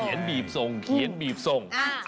เขียนบีบส่งเขียนบีบส่ง